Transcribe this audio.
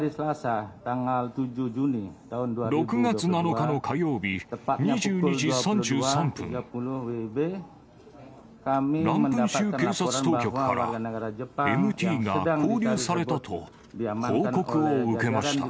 ６月７日の火曜日２２時３３分、ランプン州警察当局から、ＭＴが勾留されたと、報告を受けました。